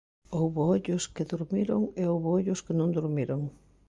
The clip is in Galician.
Houbo ollos que durmiron e houbo ollos que non durmiron.